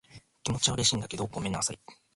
気持ちは嬉しいんだけど、ごめんなさい。